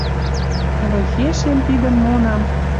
Ӓль ойхешем тидӹм монам?